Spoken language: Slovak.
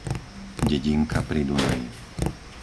Dedinka pri Dunaji